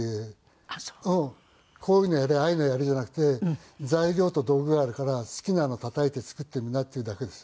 こういうのやれああいうのやれじゃなくて材料と道具があるから好きなのをたたいて作ってみなっていうだけです。